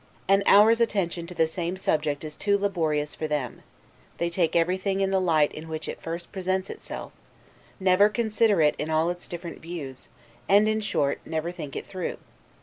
An hour's attention to the same subject is too laborious for them; they take everything in the light in which it first presents itself; never consider, it in all its different views; and, in short, never think it through.